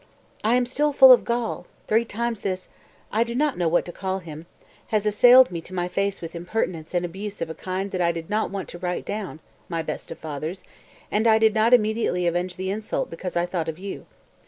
215. "I am still full of gall!...Three times this I do not know what to call him has assailed me to my face with impertinence and abuse of a kind that I did not want to write down, my best of fathers, and I did not immediately avenge the insult because I thought of you.